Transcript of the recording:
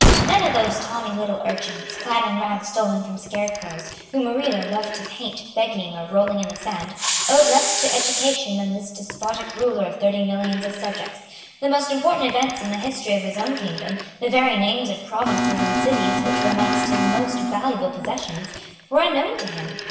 None of those tawny little urchins, clad in rags stolen from scarecrows, whom Murillo loved to paint begging or rolling in the sand, owed less to education than this despotic ruler of thirty millions of subjects, The most important events in the history of his own kingdom, the very names of provinces and cities which were among his most valuable possessions, were unknown to him.